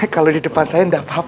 kalau di depan saya tidak apa apa